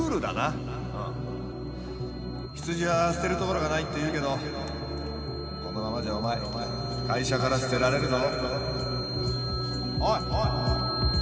キーン羊は捨てる所がないっていうけどこのままじゃお前会社から捨てられるぞ。